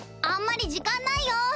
あんまり時間ないよ。